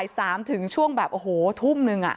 ก็คือบ่าย๓ถึงช่วงแบบโอโฮทุ่มนึงอ่ะ